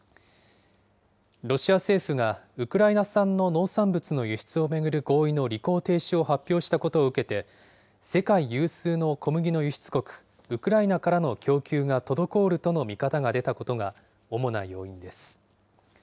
ロシア政府がウクライナ産の農産物の輸出を巡る合意の履行停止を発表したことを受けて、世界有数の小麦の輸出国、ウクライナからの供給が滞るとの見方が出たことが主な要因です。